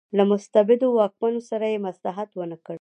له مستبدو واکمنو سره یې مصلحت ونکړ.